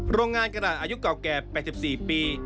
โรงงานกระดาษอายุเก่าแก่๘๔ปี